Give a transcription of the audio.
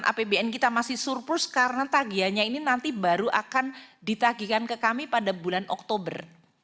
apbn kita masih surplus karena tagihannya ini nanti baru akan ditagihkan ke kami pada bulan oktober